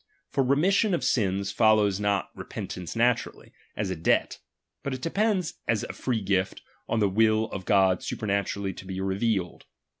For remission of sins follows not repentance naturally, as a debt ; but it depends, as a free gift, on the will of God supernaturally to be revealed.